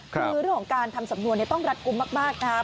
คือเรื่องของการทำสำนวนต้องรัดกลุ่มมากนะครับ